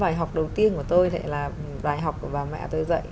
vài học đầu tiên của tôi thì là đài học của bà mẹ tôi dạy